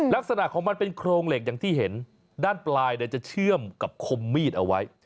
ลักษณะของมันเป็นโครงเหล็กอย่างที่เห็นด้านปลายจะเชื่อมกับคมมีดเอาไว้